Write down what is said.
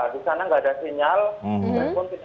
sisanya enggak ada sinyal maupun tidak ada